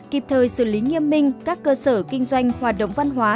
kịp thời xử lý nghiêm minh các cơ sở kinh doanh hoạt động văn hóa